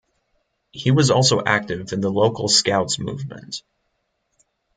He was also active in the local scouts movement.